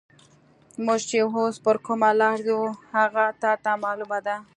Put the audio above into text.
موږ چې اوس پر کومه لار ځو، هغه تا ته معلومه ده؟